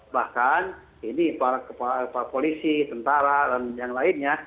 bahkan ini para polisi tentara dan yang lainnya